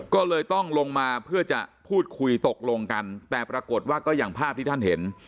ก็เลยต้องลงมาเพื่อจะพูดคุยตกลงกันแต่ปรากฏว่าก็อย่างภาพที่ท่านเห็น